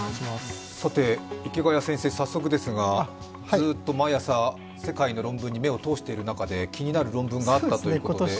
池谷先生、早速ですがずっと毎朝、世界の論文に目を通している中で気になる論文があったということで。